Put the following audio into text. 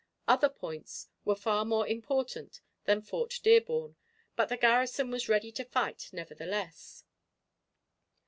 Other points were far more important than Fort Dearborn, but the garrison was ready to fight, nevertheless.